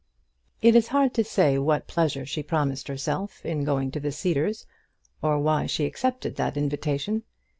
It is hard to say what pleasure she promised herself in going to the Cedars, or why she accepted that invitation.